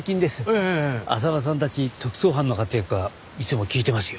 浅輪さんたち特捜班の活躍はいつも聞いてますよ。